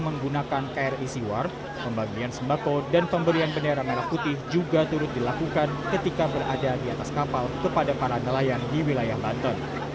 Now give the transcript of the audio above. menggunakan kri siwar pembagian sembako dan pemberian bendera merah putih juga turut dilakukan ketika berada di atas kapal kepada para nelayan di wilayah banten